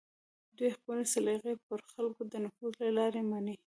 دوی خپلې سلیقې پر خلکو د نفوذ له لارې مني